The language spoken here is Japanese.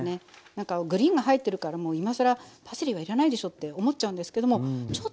なんかグリーンが入ってるからもう今更パセリはいらないでしょって思っちゃうんですけどもちょっと入るとね